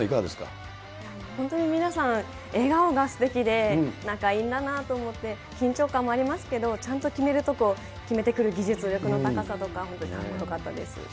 本当に皆さん、笑顔が素敵で、なんかいいなと思って、緊張感もありますけど、ちゃんと決めるとこ決めてくる技術、大変よかったです。